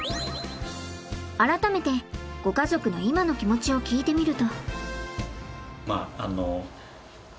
改めてご家族の今の気持ちを聞いてみると。